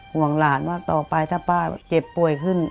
ห่วงหลานว่าต่อไปถ้าป้าเจ็บป่วยขึ้น